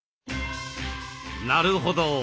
なるほど。